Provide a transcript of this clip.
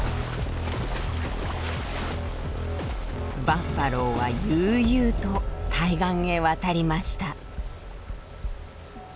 バッファローは悠々と対岸へ渡りました。